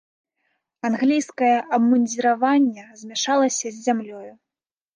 Англійскае абмундзіраванне змяшалася з зямлёю.